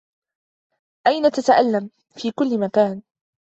أين تتألّم؟ "في كلّ مكان."